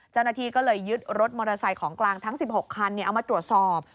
เจ้าหน้าที่ก็เลยยึดรถมอเตอร์ไซค์ของกลางทั้ง๑๖คันเอามาตรวจสอบ